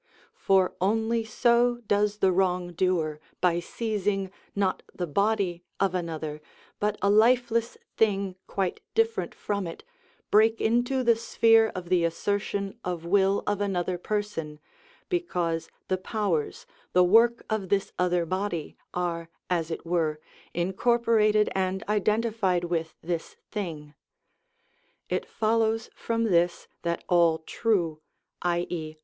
For only so does the wrong doer, by seizing, not the body of another, but a lifeless thing quite different from it, break into the sphere of the assertion of will of another person, because the powers, the work of this other body, are, as it were, incorporated and identified with this thing. It follows from this that all true, _i.e.